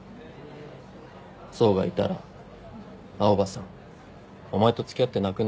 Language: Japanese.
想がいたら青羽さんお前と付き合ってなくない？